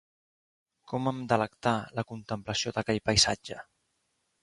Com em delectà la contemplació d'aquell paisatge!